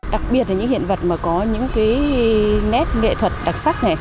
đặc biệt là những hiện vật có những nét nghệ thuật đặc sắc